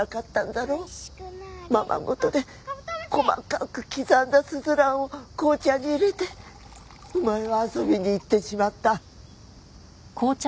ままごとで細かく刻んだスズランを紅茶に入れてお前は遊びに行ってしまった。